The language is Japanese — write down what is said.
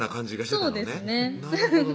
そうですね